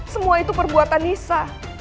semua itu perbuatan nisa